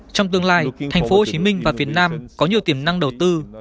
trong tương lai thành phố hồ chí minh và việt nam có nhiều tiềm năng đầu tư